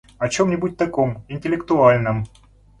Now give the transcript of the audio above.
О чем-нибудь таком, интеллектуальном.